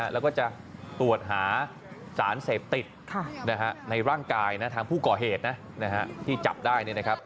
แล้วก็จะตรวจหาสารเสพติดในร่างกายทางผู้ก่อเหตุที่จับได้